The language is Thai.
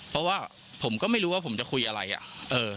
เพราะว่าผมก็ไม่รู้ว่าผมจะคุยอะไรอ่ะเออ